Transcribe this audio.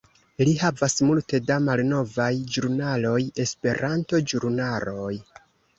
Li havas multe da malnovaj ĵurnaloj, Esperanto-ĵurnaloj